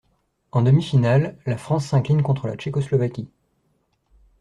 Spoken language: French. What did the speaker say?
En demi-finale la France s'incline contre la Tchécoslovaquie.